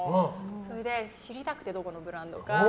それで知りたくてどこのブランドか。